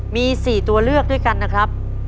มี๔ตัวเลือกด้วยกันนะครับ